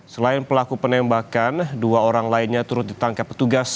selain pelaku penembakan dua orang lainnya turut ditangkap petugas